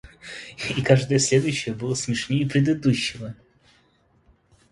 и каждое следующее было смешнее предыдущего.